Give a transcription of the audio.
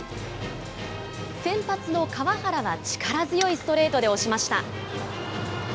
先発の川原は、力強いストレートで押しました。